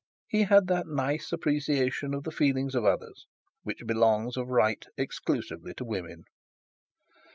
He had that nice appreciation of the feelings of others which belongs of right exclusively to women.